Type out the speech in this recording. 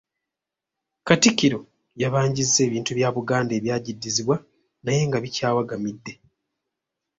Katikkiro yabanjizza ebintu bya Buganda ebyagiddizibwa naye nga bikyawagamidde.